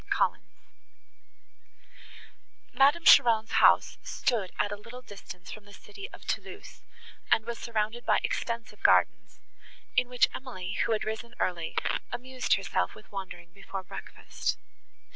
COLLINS Madame Cheron's house stood at a little distance from the city of Thoulouse, and was surrounded by extensive gardens, in which Emily, who had risen early, amused herself with wandering before breakfast.